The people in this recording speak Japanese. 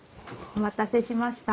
お待たせしました。